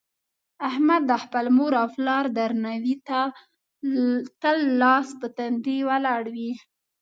احمد د خپل مور او پلار درناوي ته تل لاس په تندي ولاړ وي.